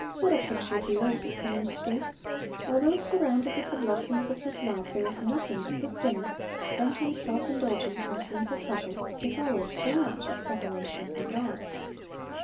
What a picture here of the sinner's state! Although surrounded with the blessings of His love, there is nothing that the sinner, bent on self indulgence and sinful pleasure, desires so much as separation from God.